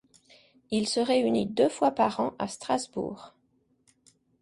Il se réunit deux fois par an à Strasbourg.